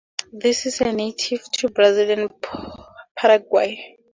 It is native to Brazil and Paraguay.